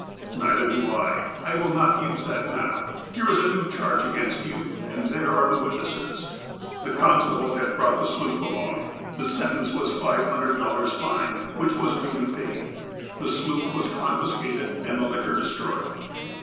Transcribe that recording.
"Neither do I. I will not use that now. Here is a new charge against you, and there are the wit nesses. '' The constable had brought the sloop along. The sentence was five hundred dollars fine, which was duly paid. Then the sloop was confiscated, and the liquor destroyed.